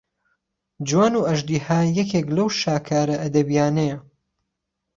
جوان و ئەژدیها یەکێک لەو شاکارە ئەدەبیانەیە